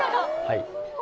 はい。